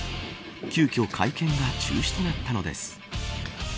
急きょ会見が中止となったのです